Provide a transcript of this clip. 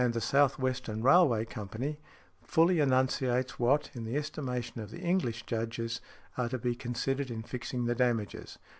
The South Western Railway Company fully enunciates what, in the estimation of the English Judges, are to be considered in fixing the damages.